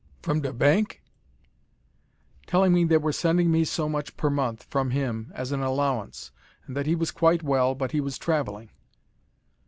"FROM DE BANK?" "Telling me they were sending me so much per month, from him, as an allowance, and that he was quite well, but he was travelling."